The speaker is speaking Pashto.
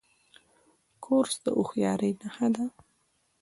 کورس د هوښیارۍ نښه ده.